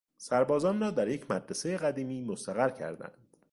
سربازان را در یک مدرسه قدیمی مستقر کردند.